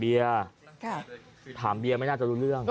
เบียร์ถามเบียร์ไม่น่าจะรู้เรื่อง